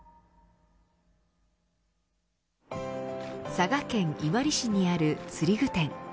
佐賀県伊万里市にある釣具店。